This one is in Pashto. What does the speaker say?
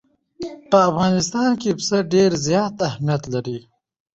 په افغانستان کې پسه ډېر زیات اهمیت لري.